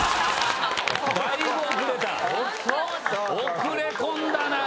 遅れ込んだなぁ。